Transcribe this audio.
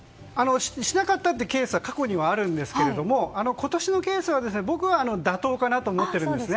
しなかったってケースは過去にはあるんですけど今年のケースは僕は妥当かなと思っているんです。